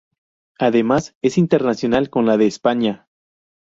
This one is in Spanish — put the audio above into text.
Además es internacional con la de España.